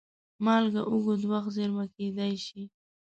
مالګه اوږد وخت زېرمه کېدای شي.